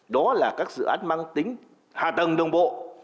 đó là các dự án mang tính hạ tầng đồng bộ